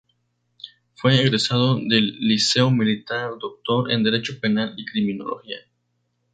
Fue egresado del Liceo Militar, doctor en Derecho Penal y Criminología.